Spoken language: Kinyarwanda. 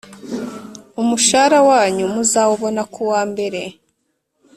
Umushara wanyu muzawubona kuwambere